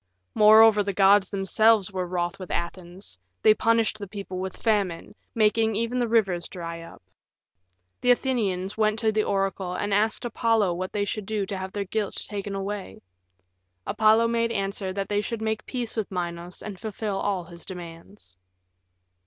Moreover, the gods themselves were wroth with Athens; they punished the people with famine, making even the rivers dry up. The Athenians went to the oracle and asked Apollo what they should do to have their guilt taken away. Apollo made answer that they should make peace with Minos and fulfill all his demands.